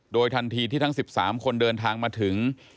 โดยทันทีที่ทั้ง๑๓คนเดินทางมาถึง